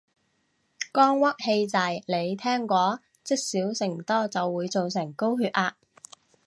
肝鬱氣滯，你聽過？積少成多就會做成高血壓